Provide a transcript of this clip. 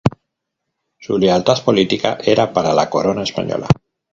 Su lealtad política era para la Corona española.